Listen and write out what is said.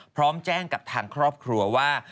พร้อมแจ้งกับทางครอบครัวว่า